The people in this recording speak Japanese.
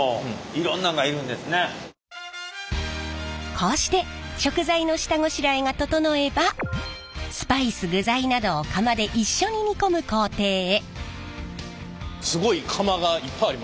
こうして食材の下ごしらえが整えばスパイス具材などを釜で一緒に煮込む工程へ。